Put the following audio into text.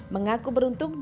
mengaku beruntung dan berharga